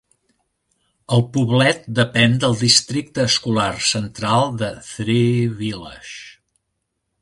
El poblet depèn del districte escolar central de Three Village.